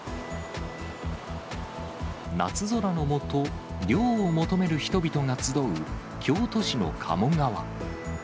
夏空の下、涼を求める人々が集う、京都市の鴨川。